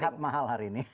sehat mahal hari ini